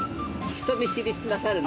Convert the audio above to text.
人見知りなさるの？